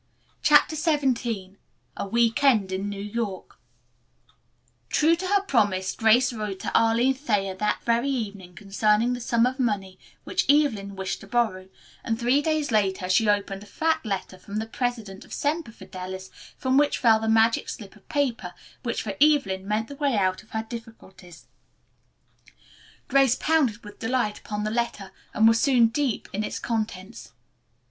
CHAPTER XVII A WEEK END IN NEW YORK True to her promise Grace wrote to Arline Thayer that very evening concerning the sum of money which Evelyn wished to borrow, and three days later she opened a fat letter from the president of Semper Fidelis from which fell the magic slip of paper which, for Evelyn, meant the way out of her difficulties. Grace pounced with delight upon the letter and was soon deep in its contents.